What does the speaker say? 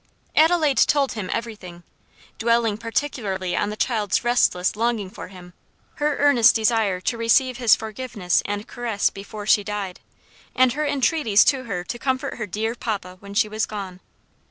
Adelaide told him everything; dwelling particularly on the child's restless longing for him, her earnest desire to receive his forgiveness and caress before she died, and her entreaties to her to comfort her "dear papa" when she was gone.